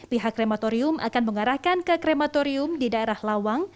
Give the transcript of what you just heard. pihak krematorium akan mengarahkan ke krematorium di daerah lawang